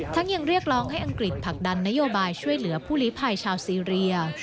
ยังเรียกร้องให้อังกฤษผลักดันนโยบายช่วยเหลือผู้ลิภัยชาวซีเรีย